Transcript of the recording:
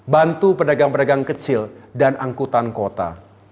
bantu pedagang pedagang kecil dan angkutan kota